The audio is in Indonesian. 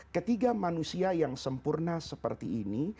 ketiga manusia yang sempurna seperti ini